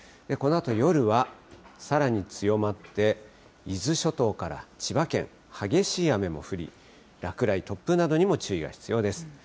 このあと夜はさらに強まって、伊豆諸島から千葉県、激しい雨も降り、落雷、突風などにも注意が必要です。